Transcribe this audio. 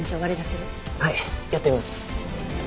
はいやってみます。